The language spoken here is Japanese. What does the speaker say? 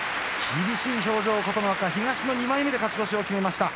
厳しい表情琴ノ若東の２枚目で勝ち越しを決めました。